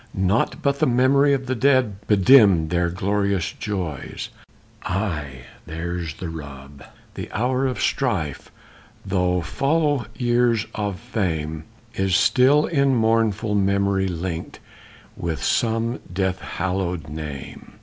Nought but the memory of the dead Bedimm'd their glorious joys; Ay there's the rub the hour of strife, Though follow years of fame, Is still in mournful memory link'd With some death hallow'd name.